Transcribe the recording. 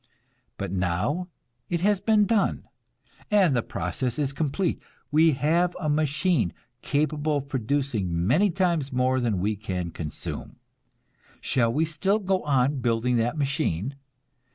But now it has been done, and the process is complete. We have a machine capable of producing many times more than we can consume; shall we still go on building that machine?